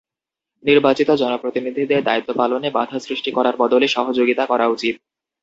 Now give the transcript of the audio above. নির্বাচিত জনপ্রতিনিধিদের দায়িত্ব পালনে বাধা সৃষ্টি করার বদলে সহযোগিতা করা উচিত।